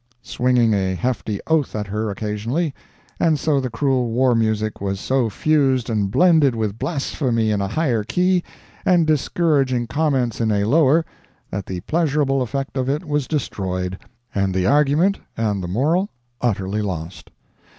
"—swinging a hefty oath at her occasionally—and so the cruel war music was so fused and blended with blasphemy in a higher key, and discouraging comments in a lower, that the pleasurable effect of it was destroyed, and the argument and the moral utterly lost.